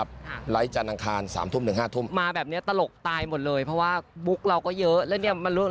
พี่ยังต้องเล่นรู้วิธีปล่อยมุกอีกเยอะเลยล่ะค่ะ